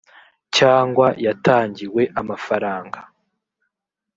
cyangwa yatangiwe amafaranga